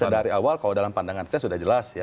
dari awal kalau dalam pandangan saya sudah jelas ya